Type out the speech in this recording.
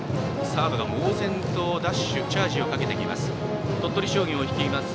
サードが猛然とダッシュチャージをかけてきます。